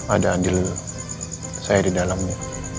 ada adil saya di dalamnya